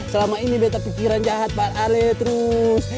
selama ini beta pikiran jahat pak ale terus